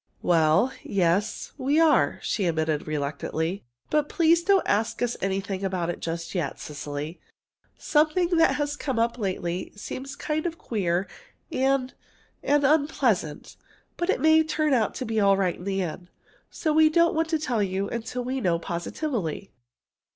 "Well, yes, we are," she admitted reluctantly. "But please don't ask us anything about it just yet, Cecily. Something that has come up lately seems kind of queer and and unpleasant. But it may turn out all right in the end, so we don't want to tell you till we know positively."